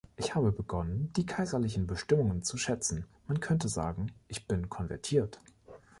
Ich habe begonnen, die kaiserlichen Bestimmungen zu schätzen, man könnte sagen, ich bin konvertiert.